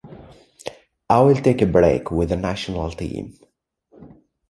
I will take a break with the national team.